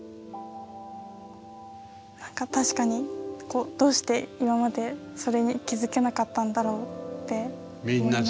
何か確かにどうして今までそれに気付けなかったんだろうって思いました。